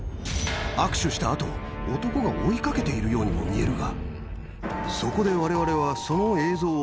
握手した後男が追い掛けているようにも見えるが。